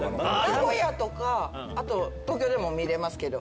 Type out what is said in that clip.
名古屋とか東京でも見れますけど。